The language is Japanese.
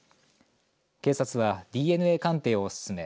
警察は、ＤＮＡ鑑定を進め